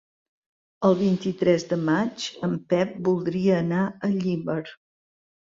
El vint-i-tres de maig en Pep voldria anar a Llíber.